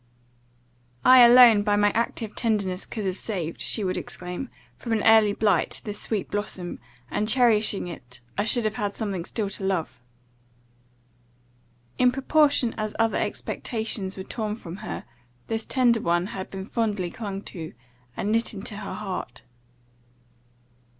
"I, alone, by my active tenderness, could have saved," she would exclaim, "from an early blight, this sweet blossom; and, cherishing it, I should have had something still to love." In proportion as other expectations were torn from her, this tender one had been fondly clung to, and knit into her heart.